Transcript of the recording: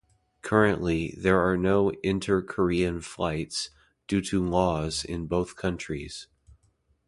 Currently, there are no inter-Korean flights, due to laws in both countries.